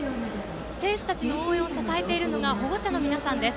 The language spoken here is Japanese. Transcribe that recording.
選手たちの応援を支えているのが保護者の皆さんです。